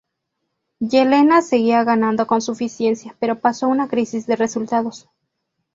Yelena seguía ganando con suficiencia, pero pasó una crisis de resultados.